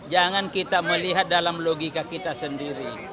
jangan kita melihat dalam logika kita sendiri